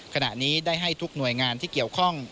ขณะนี้ได้ให้ทุกหน่วยงานที่เกี่ยวข้อง